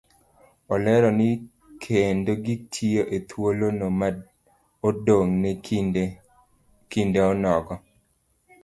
Olero ni kendo gitiyo ethuolono ma odong' ne kinde onogo